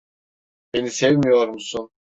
Beni sevmiyor musun?